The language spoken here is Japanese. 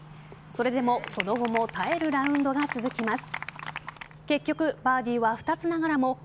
それでも、その後も耐えるラウンドが続きます。